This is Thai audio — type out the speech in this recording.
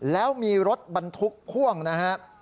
แล้วมีรถบรรทุกพ่วงนะฮะ